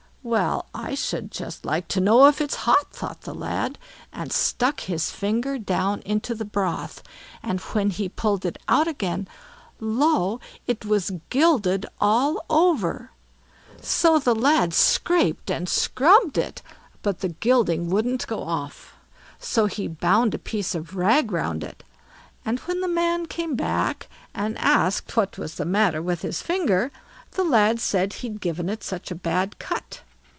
"Well, I should just like to know if it's hot," thought the lad, and stuck his finger down into the broth, and when he pulled it out again, lo! it was gilded all over. So the lad scraped and scrubbed it, but the gilding wouldn't go off, so he bound a piece of rag round it; and when the man came back, and asked what was the matter with his finger, the lad said he'd given it such a bad cut.